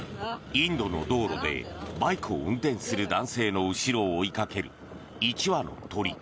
インドの道路でバイクを運転する男性の後ろを追いかける１羽の鳥。